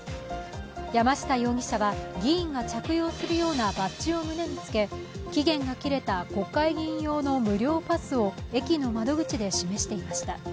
山下容疑者は議員が着用するようなバッジを胸につけ期限が切れた国会議員用の無料パスを駅の窓口で示していました。